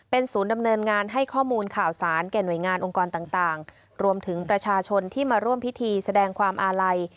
ศูนย์ดำเนินงานให้ข้อมูลข่าวสารแก่หน่วยงานองค์กรต่างรวมถึงประชาชนที่มาร่วมพิธีแสดงความอาลัย